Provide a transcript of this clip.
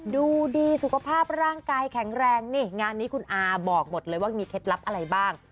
ดูดีสุขภาพร่างกายแข็งแรงนี่งานนี้คุณอาบอกหมดเลยว่ามีเคล็ดลับอะไรบ้าง